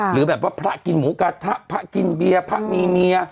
หรือแบบว่าพระกินหมูกระทะพระกินเบียร์พระมีเมีย